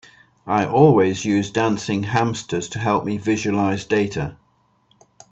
I always use dancing hamsters to help me visualise data.